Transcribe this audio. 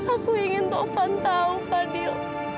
aku ingin taufan tahu fadil